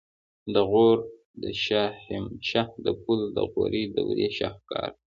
د غور د شاهمشه د پل د غوري دورې شاهکار دی